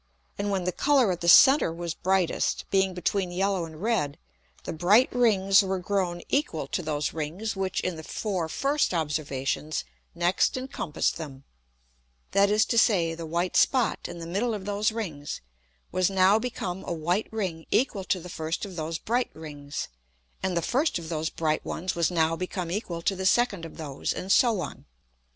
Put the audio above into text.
And when the Colour at the center was brightest, being between yellow and red, the bright Rings were grown equal to those Rings which in the four first Observations next encompassed them; that is to say, the white Spot in the middle of those Rings was now become a white Ring equal to the first of those bright Rings, and the first of those bright ones was now become equal to the second of those, and so on.